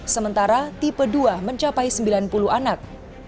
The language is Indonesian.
sementara tipe dua mencapai sembilan puluh anak